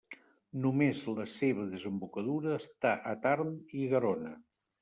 Només la seva desembocadura està a Tarn i Garona.